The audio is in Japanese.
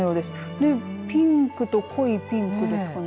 ピンクと濃いピンクですかね